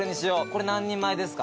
これ何人前ですか？